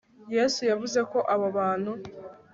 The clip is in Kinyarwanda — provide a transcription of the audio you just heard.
yesu yavuze ko abo bantu